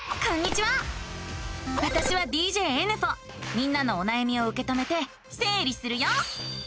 みんなのおなやみをうけ止めてせい理するよ！